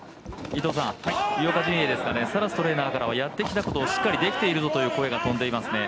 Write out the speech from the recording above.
井岡陣営ですが、サラストレーナーからはやってきたことをしっかりできているぞとい声がとんでいますね。